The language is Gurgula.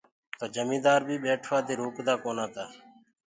تو جميٚندآر بيٚ ٻيٽوآ دي روڪدآ ڪونآ تآ۔